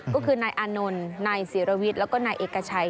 ก็คือนายอานนท์นายศิรวิทย์แล้วก็นายเอกชัย